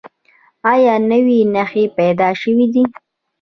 ایا نوي نښې پیدا شوي دي؟